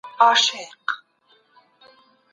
سم نیت اندیښنه نه زیاتوي.